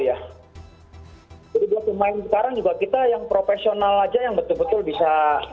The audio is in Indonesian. jadi buat pemain sekarang juga kita yang profesional saja yang betul betul bisa